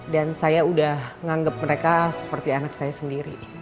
dan saya udah nganggep mereka seperti anak saya sendiri